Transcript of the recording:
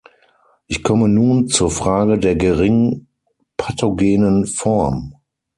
Ich komme nun zur Frage der gering pathogenen Form.